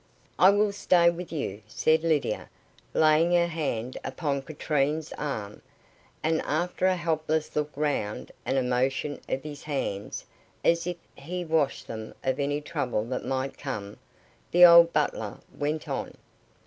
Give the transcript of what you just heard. "I will stay with you," said Lydia, laying her hand upon Katrine's arm; and after a helpless look round, and a motion of his hands, as if he washed them of any trouble that might come, the old butler went on.